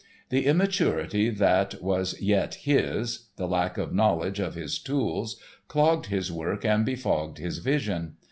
The immaturity that was yet his, the lack of knowledge of his tools, clogged his work and befogged his vision.